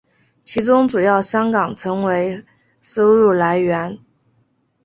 其中主要香港成为收入来源。